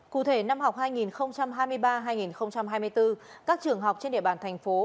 cụ thể năm học hai nghìn hai mươi ba hai nghìn hai mươi bốn các trường học trên địa bàn thành phố